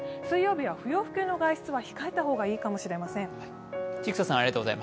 水曜日は不要不急の外出は控えた方がいいかもしれません。